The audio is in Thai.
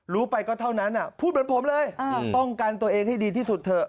รู้ไปก็เท่านั้นพูดเหมือนผมเลยป้องกันตัวเองให้ดีที่สุดเถอะ